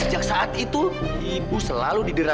sejak saat itu ibu selalu didera